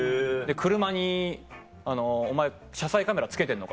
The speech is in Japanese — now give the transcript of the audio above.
車に「お前車載カメラ付けてんのか？」。